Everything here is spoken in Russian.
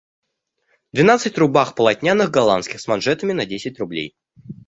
Двенадцать рубах полотняных голландских с манжетами на десять рублей.